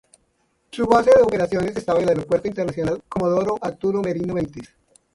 Su base de operaciones estaba en el Aeropuerto Internacional Comodoro Arturo Merino Benítez.